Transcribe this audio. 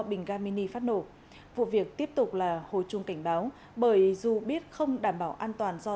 bình garmini phát nổ vụ việc tiếp tục là hồi chung cảnh báo bởi dù biết không đảm bảo an toàn do